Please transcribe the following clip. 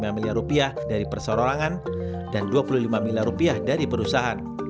lima miliar rupiah dari perserorangan dan dua puluh lima miliar rupiah dari perusahaan